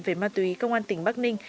về ma túy công an tỉnh bắc ninh